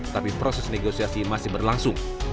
tapi proses negosiasi masih berlangsung